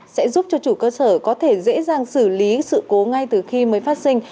sẽ giúp cho chủ cơ sở có thể dễ dàng xử lý sự cố ngay từ khi mới phát sinh